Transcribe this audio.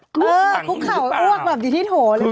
เออคุกเข่าอ้วกแบบอยู่ที่โถ่หรือเปล่า